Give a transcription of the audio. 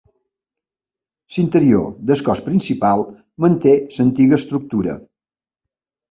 L’interior del cos principal, manté l’antiga estructura.